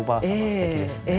すてきですね。